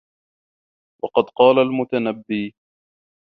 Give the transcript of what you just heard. وَقَدْ قَالَ الْمُتَنَبِّي